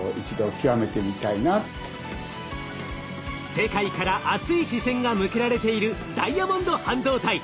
世界から熱い視線が向けられているダイヤモンド半導体。